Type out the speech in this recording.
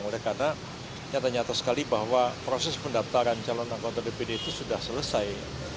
oleh karena nyata nyata sekali bahwa proses pendaftaran calon anggota dpd itu sudah selesai